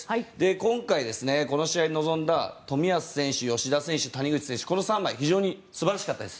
今回、この試合に臨んだ冨安選手、吉田選手、谷口選手この３枚非常に素晴らしかったです。